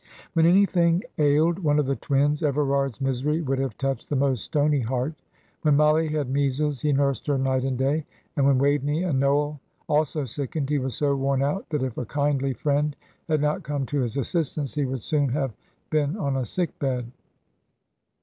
When anything ailed one of the twins, Everard's misery would have touched the most stony heart. When Mollie had measles, he nursed her night and day, and when Waveney and Noel also sickened, he was so worn out that if a kindly friend had not come to his assistance, he would soon have been on a sick bed.